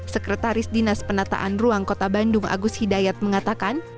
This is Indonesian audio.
sekretaris dinas penataan ruang kota bandung agus hidayat mengatakan